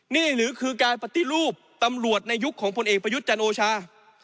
นี่หรือคือการปฏิรูปตำรวจในยุคของพลเอกประยุทธ์จันโอชา